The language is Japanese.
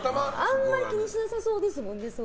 あまり気にしなさそうですもんね。